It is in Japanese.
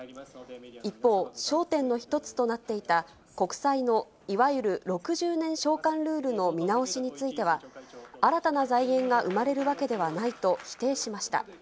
一方、焦点の一つとなっていた、国債のいわゆる６０年償還ルールの見直しについては、新たな財源が生まれるわけではないと否定しました。